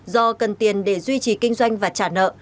do cần tiền để duy trì kinh doanh và trả nợ